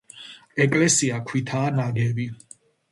ეკლესია ქვითაა ნაგები.